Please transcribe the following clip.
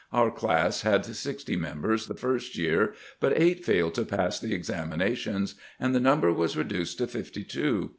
Our class had sixty members the first year, but eight failed to pass the examinations, and the number was reduced to fifty two.